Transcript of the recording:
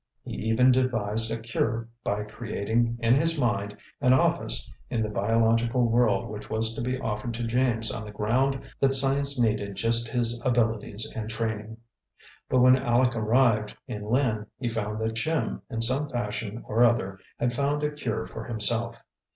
He even devised a cure by creating, in his mind, an office in the biological world which was to be offered to James on the ground that science needed just his abilities and training. But when Aleck arrived in Lynn he found that Jim, in some fashion or other, had found a cure for himself.